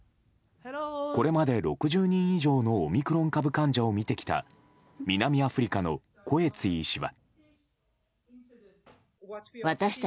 これまで６０人以上のオミクロン株患者を診てきた南アフリカのコエツィ医師は。